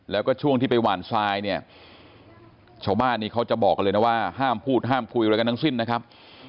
แล้วก็ช่วงที่ไปหวานทรายเนี่ยชาวบ้านนี้เขาจะบอกกันเลยนะว่าห้ามพูดห้ามคุยอะไรกันทั้งสิ้นนะครับ